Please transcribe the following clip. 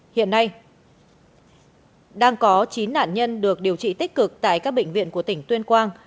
hiện nay đang có chín nạn nhân được điều trị tích cực tại các bệnh viện của tỉnh tuyên quang